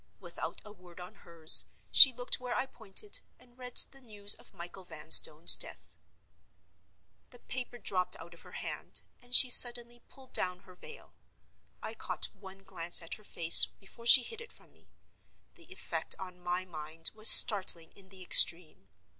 Without a word on hers, she looked where I pointed, and read the news of Michael Vanstone's death. The paper dropped out of her hand, and she suddenly pulled down her veil. I caught one glance at her face before she hid it from me. The effect on my mind was startling in the extreme.